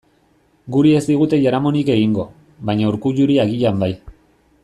Guri ez digute jaramonik egingo, baina Urkulluri agian bai.